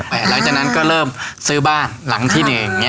หลังจากนั้นก็เริ่มซื้อบ้านหลังที่๑